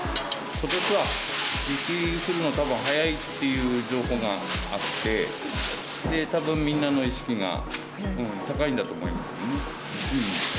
ことしは雪降るの、たぶん早いっていう情報あって、で、たぶんみんなの意識が高いんだと思いますね。